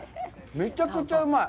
めちゃくちゃうまい。